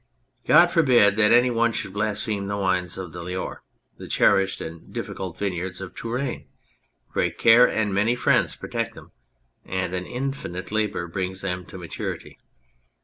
God forbid that any one should blaspheme the wines of the Loire, the cherished and difficult vine yards of Touraine. Great care and many friends protect them, and an infinite labour brings them to maturity.